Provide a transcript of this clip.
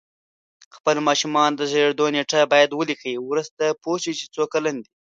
خپل ماشومانو د زیږېدو نېټه باید ولیکئ وروسته پوه شی چې څو کلن دی